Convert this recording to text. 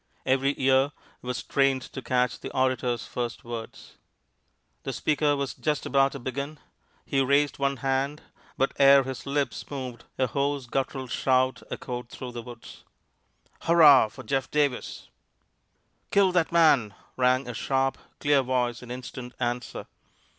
Every ear was strained to catch the orator's first words. The speaker was just about to begin. He raised one hand, but ere his lips moved, a hoarse, guttural shout echoed through the woods, "Hurrah'h'h for Jeff Davis!!!" "Kill that man!" rang a sharp, clear voice in instant answer.